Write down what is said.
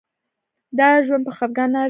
دا ژوند په خفګان نه ارزي.